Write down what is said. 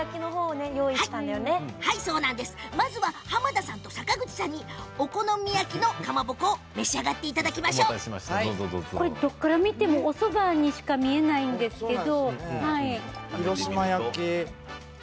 濱田さんと坂口さんにはお好み焼きのかまぼこを召し上がってどこから見てもおそばにしか見えないんですけれど。